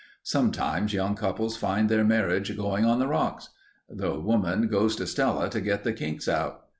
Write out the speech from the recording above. Sometimes young couples find their marriage going on the rocks. The woman goes to Stella to get the kinks out.